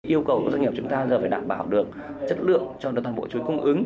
yêu cầu của doanh nghiệp chúng ta là phải đảm bảo được chất lượng cho đơn toàn bộ chuối cung ứng